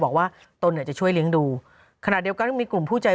บอกว่าต้นเนี่ยจะช่วยเลี้ยงดูขนาดเดียวก็มีกลุ่มผู้ใจ